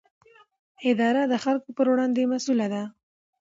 اداره د خلکو پر وړاندې مسووله ده.